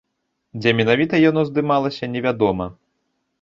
Дзе менавіта яно здымалася, невядома.